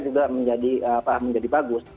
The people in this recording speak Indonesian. juga menjadi bagus